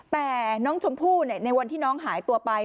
แต่น้องชมพู่ในวันที่น้องหายตัวไป